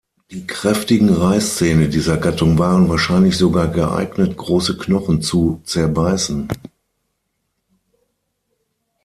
Die kräftigen Reißzähne dieser Gattung waren wahrscheinlich sogar geeignet, große Knochen zu zerbeißen.